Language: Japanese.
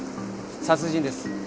殺人です。